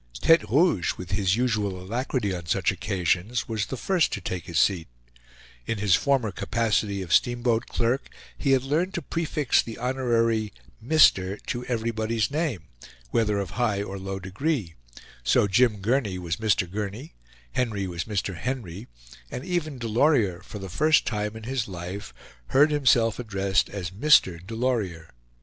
Tete Rouge, with his usual alacrity on such occasions, was the first to take his seat. In his former capacity of steamboat clerk, he had learned to prefix the honorary MISTER to everybody's name, whether of high or low degree; so Jim Gurney was Mr. Gurney, Henry was Mr. Henry, and even Delorier, for the first time in his life, heard himself addressed as Mr. Delorier.